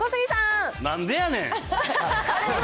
なんでやねん。